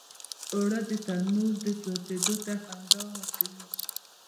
اوړه د تنور سوزیدو ته خندا ورکوي